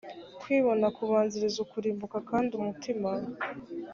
kwibona kubanziriza kurimbuka kandi umutima